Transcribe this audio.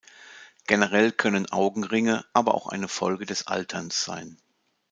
Generell können Augenringe aber auch eine Folge des Alterns sein.